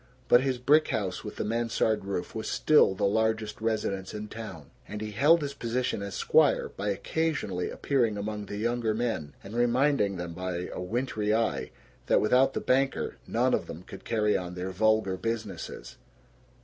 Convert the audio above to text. But his brick house with the mansard roof was still the largest residence in town, and he held his position as squire by occasionally appearing among the younger men and reminding them by a wintry eye that without the banker none of them could carry on their vulgar businesses.